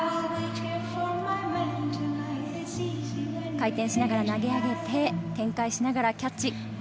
回転しながら投げ上げて転回しながらキャッチ。